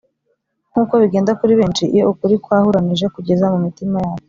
” Nkuko bigenda kuri benshi iyo ukuri kwahuranije kugeze mu mitima yabo